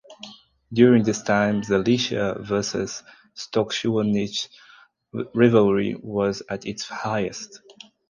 During this time the Lechia vs Stoczniowiec rivalry was at its highest.